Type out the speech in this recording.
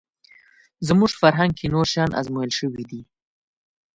زموږ فرهنګ کې نور شیان ازمویل شوي دي